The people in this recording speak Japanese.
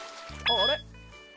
あれ？